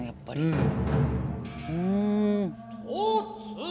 うん。